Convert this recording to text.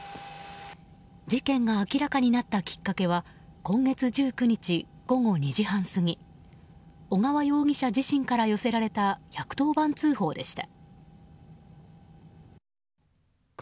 事件が明らかになったきっかけは今月１９日午後２時半過ぎ小川容疑者自身から寄せられた１１０番通報でした。